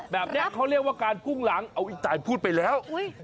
แบบนี้เขาเรียกว่าการพุ่งหลังเอาอีกตายพูดไปแล้ว